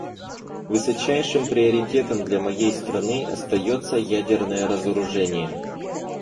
Высочайшим приоритетом для моей страны остается ядерное разоружение.